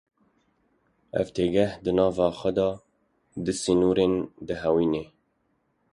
Ev têgeh di nava xwe de du sînoran dihewîne.